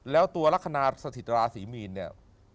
แล้วตัวลักษณะสถิตราศีมีนเนี่ย